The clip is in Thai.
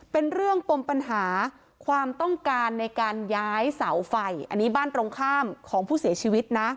เป็นเรื่องปมปัญหาความต้องการในการย้ายเสาไฟอันนี้บ้านตรงข้ามของผู้เสียชีวิตนะ